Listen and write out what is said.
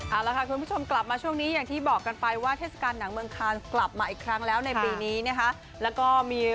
เอาละค่ะคุณผู้ชมกลับมาช่วงนี้อย่างที่บอกกันไปว่าเทศกาลหนังเมืองคานกลับมาอีกครั้งแล้วในปีนี้นะคะ